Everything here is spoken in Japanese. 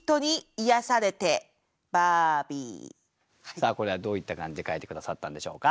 さあこれはどういった感じで書いて下さったんでしょうか。